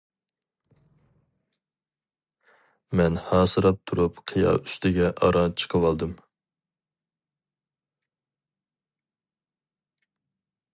مەن ھاسىراپ تۇرۇپ قىيا ئۈستىگە ئاران چىقىۋالدىم.